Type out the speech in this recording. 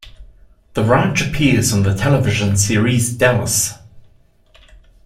The ranch appears in the television series "Dallas".